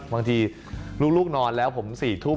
บางทีลูกนอนแล้วผม๔ทุ่ม